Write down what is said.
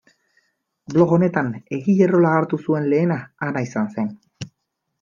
Blog honetan egile rola hartu zuen lehena Ana izan zen.